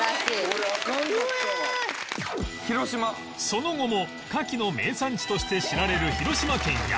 その後も牡蠣の名産地として知られる広島県や